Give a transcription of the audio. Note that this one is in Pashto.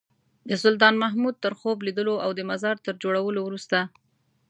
د سلطان محمود تر خوب لیدلو او د مزار تر جوړولو وروسته.